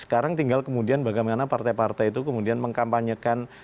sekarang tinggal kemudian bagaimana partai partai itu kemudian mengkampanyekan